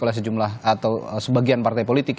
oleh sejumlah atau sebagian partai politik